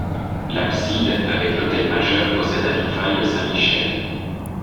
L'abside, avec l'autel majeur possède un vitrail de Saint Michel.